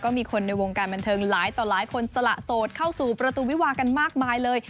มีคนในวงการบันเทิงหลายต่อหลายคนสละโสดเข้าสู่ประตูวิวากันมากมายเลย